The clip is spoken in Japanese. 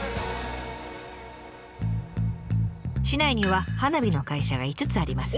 市内には花火の会社が５つあります。